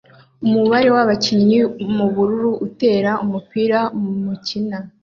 Umubare wabakinnyi mubururu utera umupira mukina